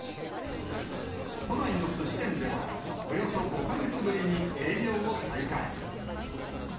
都内のすし店では、およそ５か月ぶりに営業を再開。